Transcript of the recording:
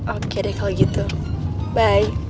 oke deh kalau gitu baik